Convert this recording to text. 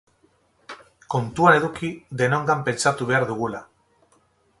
Kontuan eduki denongan pentsatu behar dugula.